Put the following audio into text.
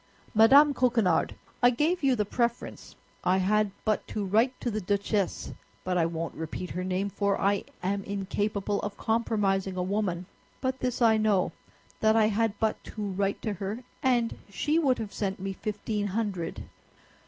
"Madame Coquenard, I gave you the preference. I had but to write to the Duchesse—but I won't repeat her name, for I am incapable of compromising a woman; but this I know, that I had but to write to her and she would have sent me fifteen hundred."